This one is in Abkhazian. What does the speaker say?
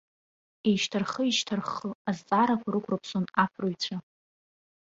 Еишьҭарххы-еишьҭарххы азҵаарақәа рықәрԥсон аԥырҩцәа.